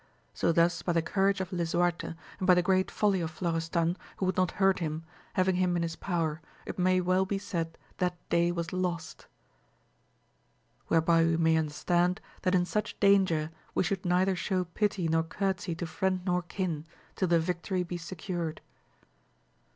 So thus by the courage of Lisuarte, and by the great folly of Florestan, who would not hurt him, having him in his power, it may well be said that day was lost :* whereby we may understand, that in such danger we should neither show pity nor courtesy to friend nor kin, till the vic tory be secured.